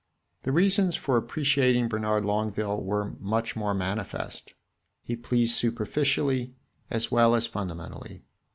The reasons for appreciating Bernard Longueville were much more manifest. He pleased superficially, as well as fundamentally.